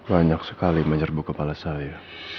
banyak sekali menyerbu kepala saya